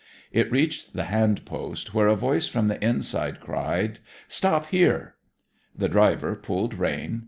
It reached the hand post, when a voice from the inside cried, 'Stop here!' The driver pulled rein.